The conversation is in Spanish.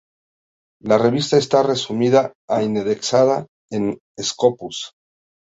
La revista está resumida e indexada en Scopus.